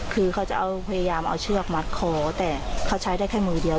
คือเขาจะเอาพยายามเอาเชือกมัดคอแต่เขาใช้ได้แค่มือเดียว